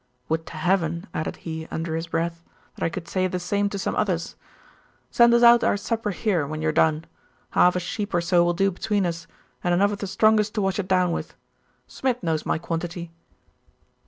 Would to heaven,' added he, under his breath, 'that I could say the same to some others. Send us out our supper here, when you are done. Half a sheep or so will do between us, and enough of the strongest to wash it down with. Smid knows my quantity.